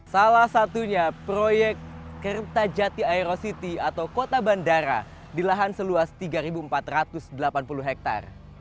salah satunya proyek kertajati aero city atau kota bandara di lahan seluas tiga empat ratus delapan puluh hektare